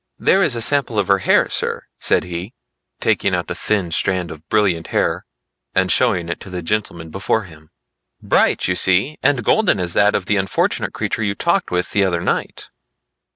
"There is a sample of her hair, sir," said he, taking out a thin strand of brilliant hair and showing it to the gentleman before him. "Bright you see, and golden as that of the unfortunate creature you talked with the other night."